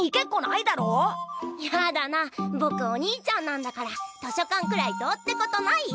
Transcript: いやだなぼくお兄ちゃんなんだから図書館くらいどうってことないよ。